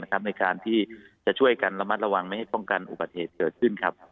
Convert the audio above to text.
ในการที่จะช่วยกันระมัดระวังไม่ให้ป้องกันอุบัติเหตุเกิดขึ้นครับ